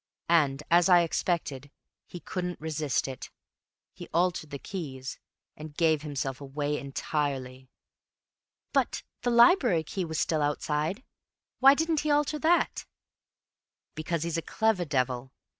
And, as I expected, he couldn't resist it. He altered the keys and gave himself away entirely." "But the library key was still outside. Why didn't he alter that?" "Because he's a clever devil.